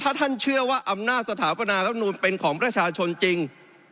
ถ้าท่านเชื่อว่าอำนาจสถาปนารับนูลเป็นของประชาชนจริง